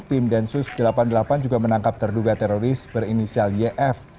tim densus delapan puluh delapan juga menangkap terduga teroris berinisial yf